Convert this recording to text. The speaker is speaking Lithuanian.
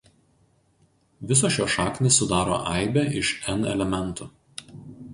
Visos šios šaknys sudaro aibę iš "n" elementų.